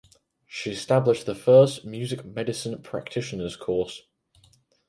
She established the first music medicine practitioners course.